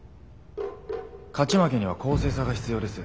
勝ち負けには「公正さ」が必要です。